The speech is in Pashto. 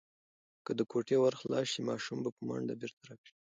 که د کوټې ور خلاص شي، ماشوم به په منډه بیرته راشي.